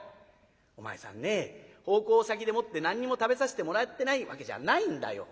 「お前さんね奉公先でもって何にも食べさせてもらってないわけじゃないんだよ。